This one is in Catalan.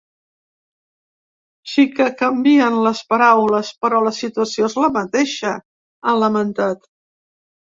“Sí que canvien les paraules, però la situació és la mateixa”, ha lamentat.